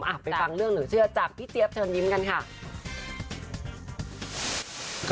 อ่ะไปฟังเรื่องเหลือเชื่อจากพี่เจี๊ยบเชิญยิ้มกันค่ะ